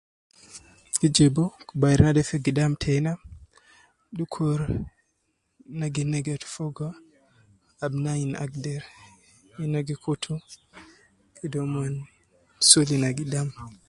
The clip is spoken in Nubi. Gijibu kubarina dee gi gidam tena, dukur nagi negetu fogo ab nayin agder, yena gikutu kede omon sulina gidam